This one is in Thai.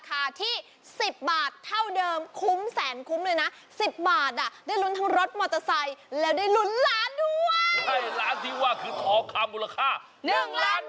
ใครจะเป็นผู้ชอกดียืนออกไปเพื่อรับผู้ชกดีแล้ว